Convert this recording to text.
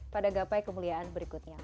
pada gapai kemuliaan berikutnya